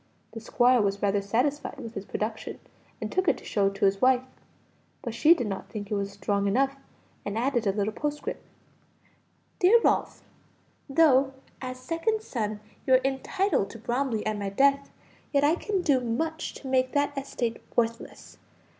The squire was rather satisfied with his production, and took it to show it to his wife; but she did not think it was strong enough, and added a little postscript "DEAR RALPH, "Though, as second son, you are entitled to Bromley at my death, yet I can do much to make the estate worthless.